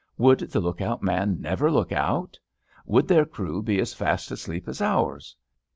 Would the lookout man never look out? Would their crew be as fast asleep as ours?